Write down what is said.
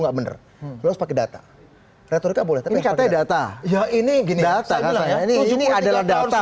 ga bener crafts pada tetep itu rita boleh tapi k duch data ya ini ginjal tent zur ini adalah data